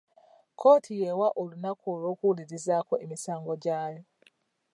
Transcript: Kkooti y'ewa olunaku olw'okuwulirizaako emisango gyayo.